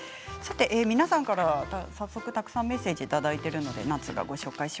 皆さんから早速たくさんメッセージをいただいています。